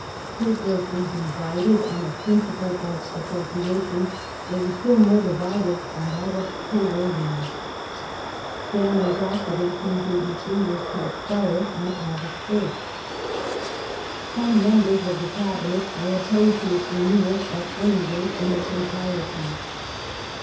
Hope lessly divided on the principle of " appropriation," they were still more divided on that of "coercion ". Stanley's Act of 1833 was to expire on August 1st. Some members of the Cabinet were op posed to its renewal at any rate in its entirety.